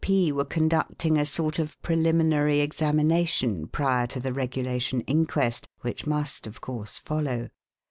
P. were conducting a sort of preliminary examination prior to the regulation inquest, which must, of course, follow.